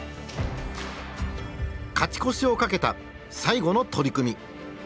勝ち越しをかけた最後の取組。